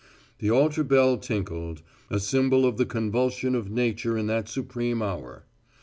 The altar bell tinkled, a symbol of the convulsion of nature in that supreme hour.